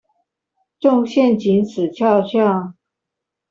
中陷阱死翹翹